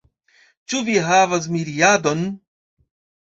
Ĉu vi havas miriadon?